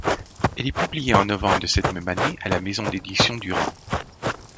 Elle est publiée en novembre de cette même année à la maison d’édition Durand.